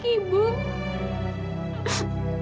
cuma ibu tempat kamilah bersandar